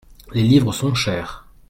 Les livres sont chers.